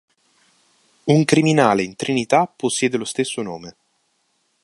Un criminale in "Trinità" possiede lo stesso nome.